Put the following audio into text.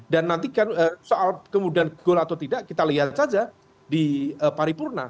dan nanti kan soal kemudian gol atau tidak kita lihat saja di paripurna